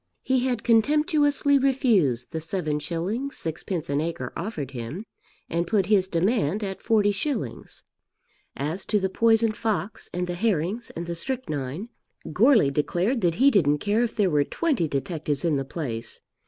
He had contemptuously refused the 7_s._ 6_d._ an acre offered him, and put his demand at 40_s._ As to the poisoned fox and the herrings and the strychnine Goarly declared that he didn't care if there were twenty detectives in the place.